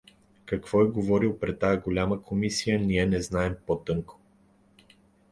Какво е той говорил пред тая голяма комисия, ние не знаем потънко.